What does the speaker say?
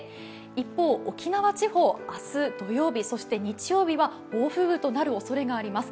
一方、沖縄地方、明日土曜日、そして日曜日は暴風雨となるおそれがあります。